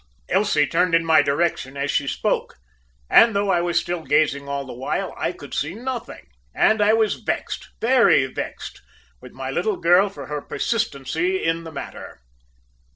"Elsie turned in my direction as she spoke, and, though I was still gazing all the while, I could see nothing, and I was vexed, very vexed with my little girl for her persistency in the matter.